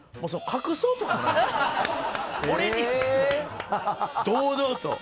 俺に堂々と。